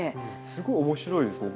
すごい面白いですね。